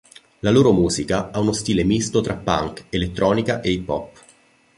La loro musica ha uno stile misto tra punk, elettronica e hip hop.